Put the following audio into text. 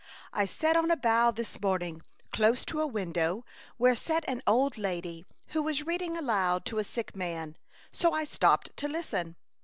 " I sat on a bough this morning, close to a win dow where sat an old lady, who was reading aloud to a sick man, so I stopped to listen.